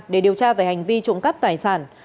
để điều tra về hành vi trụng cấp tài sản